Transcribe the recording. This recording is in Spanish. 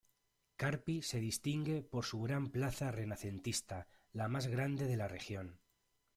Carpi se distingue por su gran plaza renacentista, la más grande de la región.